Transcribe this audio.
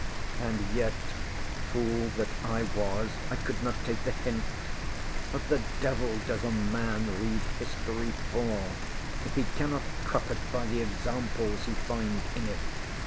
—And yet, fool that I was, I could not take the hint—What the devil does a man read history for, if he cannot profit by the examples he find in it?